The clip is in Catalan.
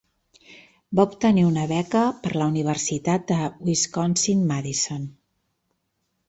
Va obtenir una beca per a la Universitat de Wisconsin-Madison.